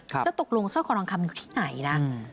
แล้วตกลงสร้อยคอทองคำอยู่ที่ไหนนะ